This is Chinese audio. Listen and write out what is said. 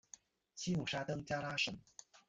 西努沙登加拉省。